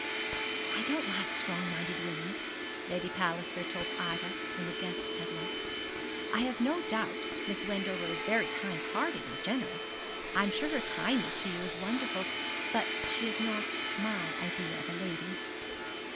'I don't like strong minded women,' Lady Palliser told Ida when the guests had left. 'I have no doubt Miss Wendover is very kind hearted and generous I'm sure her kindness to you was wonderful but she is not my idea of a lady.